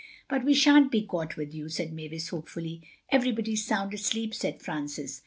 "But we shan't be caught with you," said Mavis hopefully. "Everybody's sound asleep," said Francis.